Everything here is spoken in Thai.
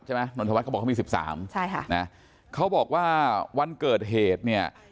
ใช่ไหมนวลธวัฒน์เขาบอกว่ามี๑๓นะเขาบอกว่าวันเกิดเหตุ